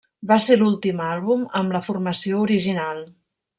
Va ser l'últim àlbum amb la formació original.